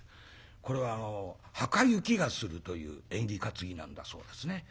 これははかゆきがするという縁起担ぎなんだそうですね。